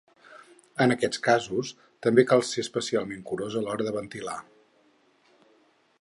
En aquests casos, també cal ser especialment curosos a l’hora de ventilar.